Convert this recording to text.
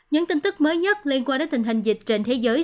những tin tức mới nhất liên quan đến tình hình dịch trên thế giới